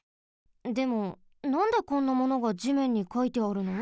でもなんでこんなものが地面にかいてあるの？